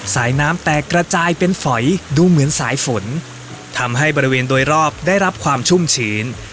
สายน้ำแตกกระจายเป็นฝอยดูเหมือนสายฝนทำให้บริเวณโดยรอบได้รับความชุ่มชื้น